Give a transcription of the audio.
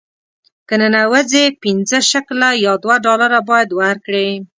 که ننوځې پنځه شکله یا دوه ډالره باید ورکړې.